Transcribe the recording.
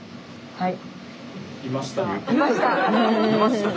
はい。